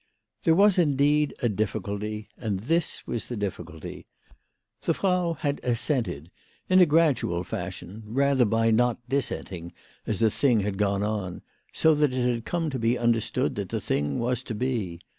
There was, indeed, a difficulty ; and this was the difficulty. The Frau had assented in a gradual fashion, rather by not dissenting as the thing had gone on, so that it had come to be understood that the thing was to be.